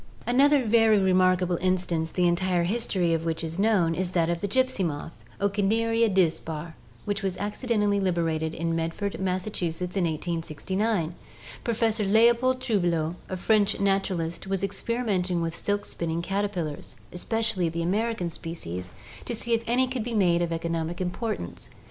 Another very remarkable instance the entire history of which is known is that of the gypsy moth (Ocneria dispar) which was acci dentally liberated in Medford, Massachusetts, in 1869. Professor Leopold Trouvelot, a French naturalist, was experimenting with silk spinning caterpillars, especially the American species, to see if any could be made of economic importance.